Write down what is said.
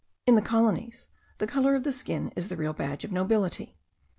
In the colonies, the colour of the skin is the real badge of nobility.